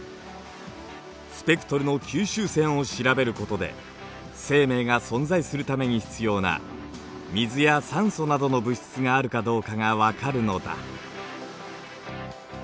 スペクトルの吸収線を調べることで生命が存在するために必要な水や酸素などの物質があるかどうかが分かるのだ。